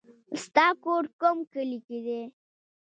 ستا کور کوم کلي کې دی